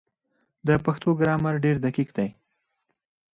د پښتو ګرامر ډېر دقیق دی.